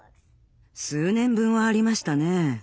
数年分はありましたね。